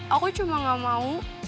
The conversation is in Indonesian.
aku cuma nggak mau